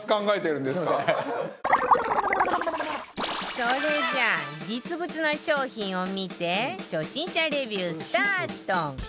それじゃあ実物の商品を見て初心者レビュースタート